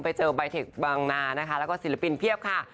ไปเจอใบเทคบางนานะคะแล้วก็ศิลปินเพียบค่ะ